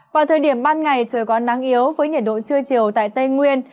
vào thời điểm ban ngày trời có nắng yếu với nhiệt độ trưa chiều tại tây nguyên